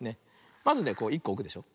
まずね１こおくでしょ。